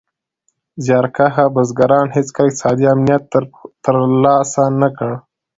زیار کښه بزګران هېڅکله اقتصادي امنیت تر لاسه نه کړ.